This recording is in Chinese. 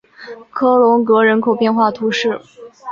科隆格人口变化图示